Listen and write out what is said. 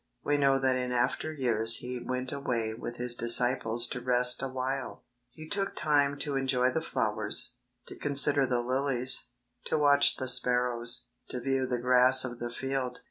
We know that in after years He went away with His disciples to rest awhile. He took time to enjoy the flowers, to consider the lilies, to watch the sparrows, to view the grass of the field.